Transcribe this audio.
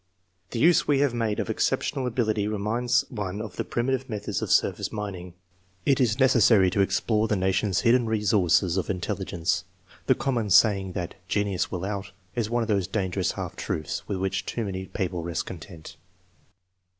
The use wo have made of exceptional ability Reminds one of the primitive methods of surface mining. USES OF INTELLIGENCE TESTS 13 It is necessary to explore the nation's hidden resources of intelligence. The common saying that " genius will out " is one of those dangerous half truths with which too many people rest content.